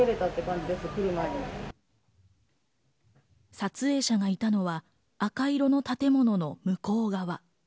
撮影者がいたのは赤い色の建物の向こう側。